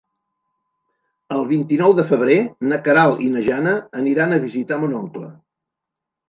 El vint-i-nou de febrer na Queralt i na Jana aniran a visitar mon oncle.